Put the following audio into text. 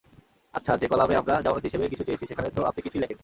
আচ্ছা, যে কলামে আমরা জামানত হিসেবে কিছু চেয়েছি সেখানে তো আপনি কিছুই লেখেননি?